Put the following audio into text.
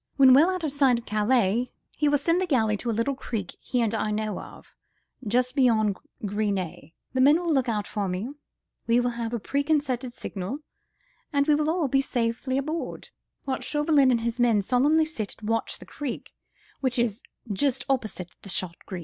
When well out of sight of Calais, he will send the galley to a little creek he and I know of, just beyond Gris Nez. The men will look out for me—we have a preconcerted signal, and we will all be safely aboard, whilst Chauvelin and his men solemnly sit and watch the creek which is 'just opposite the "Chat Gris."